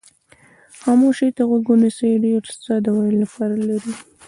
خاموشۍ ته غوږ ونیسئ ډېر څه د ویلو لپاره لري.